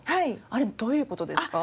あれどういう事ですか？